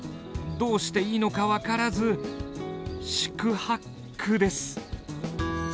どうしていいのか分からず四苦八苦です。